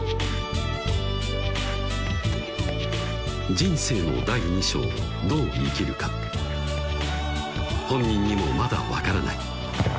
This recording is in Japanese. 人生の第二章をどう生きるか本人にもまだ分からない